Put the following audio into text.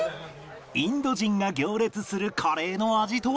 インド人が行列するカレーの味とは？